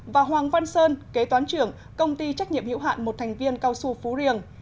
và hoàng văn sơn kế toán trưởng tổng công ty cao su phú riềng